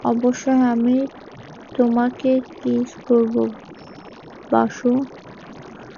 অবশ্যই, আমি তোমাকে কিস করবো, বাসু।